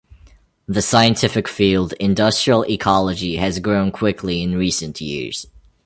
The scientific field Industrial Ecology has grown quickly in recent years.